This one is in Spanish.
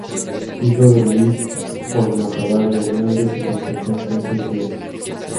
Hijo de Luis Hormazábal Hernández y Concepción Sánchez Díaz.